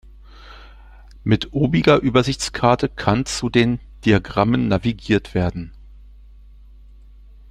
Mit obiger Übersichtskarte kann zu den Diagrammen navigiert werden.